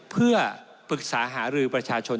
เพื่อปรึกษาหารือประชาชน